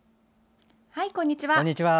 こんにちは。